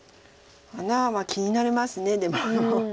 穴は気になりますでも。